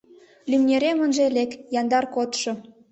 — Лӱмнерем ынже лек, яндар кодшо...